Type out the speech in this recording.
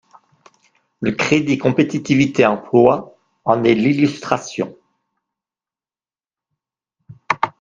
Le crédit compétitivité emploi en est l’illustration.